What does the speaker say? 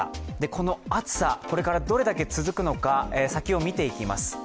この暑さ、これからどれだけ続くのか先を見ていきます。